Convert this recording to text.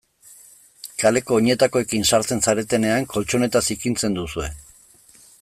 Kaleko oinetakoekin sartzen zaretenean koltxoneta zikintzen duzue.